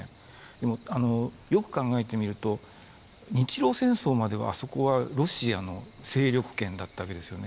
でもよく考えてみると日露戦争まではあそこはロシアの勢力圏だったわけですよね。